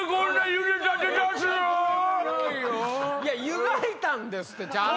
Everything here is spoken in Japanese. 湯がいたんですってちゃんと。